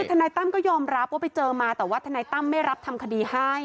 ทนายตั้มก็ยอมรับว่าไปเจอมาแต่ว่าทนายตั้มไม่รับทำคดีให้